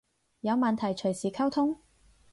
有問題隨時溝通